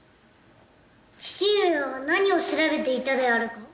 父上は何を調べていたであるか？